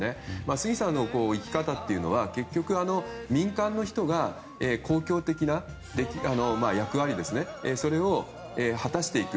杉さんの生き方というのは民間の人が公共的な役割を果たしていく。